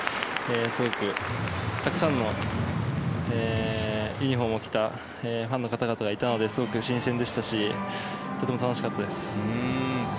すごくたくさんのユニホームを着たファンの方々がいたのですごく新鮮でしたしとても楽しかったです。